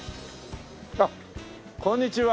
あっこんにちは。